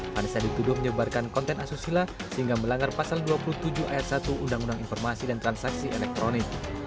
vanessa dituduh menyebarkan konten asusila sehingga melanggar pasal dua puluh tujuh ayat satu undang undang informasi dan transaksi elektronik